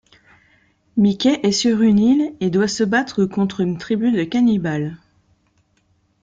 Mickey est sur une île et doit se battre contre une tribu de cannibales.